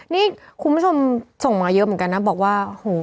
นี่คุณผู้ชมส่งมาเยอะเหมือนกันนะบอกว่าโห